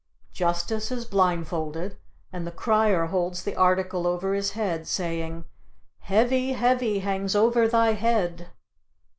Justice is blindfolded and the Crier holds the article over his head saying: "Heavy, heavy hangs over thy head."